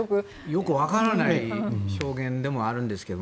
よく分からない表現でもあるんですけど。